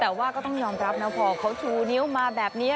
แต่ว่าก็ต้องยอมรับนะพอเขาชูนิ้วมาแบบนี้